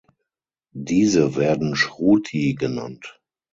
Diese werden "Shruti" genannt.